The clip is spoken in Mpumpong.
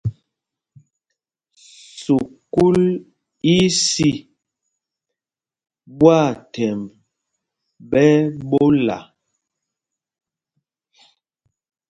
Sukúl í í sî, ɓwâthɛmb ɓɛ́ ɛ́ ɓola.